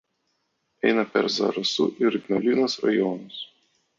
Eina per Zarasų ir Ignalinos rajonus.